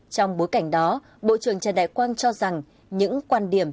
trong bối cảnh đó bộ trưởng trần đại quang cho rằng những quan điểm